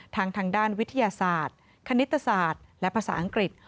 ทางด้านวิทยาศาสตร์คณิตศาสตร์และภาษาอังกฤษ